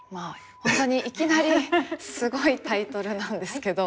本当にいきなりすごいタイトルなんですけど。